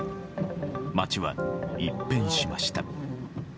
町は一変しました。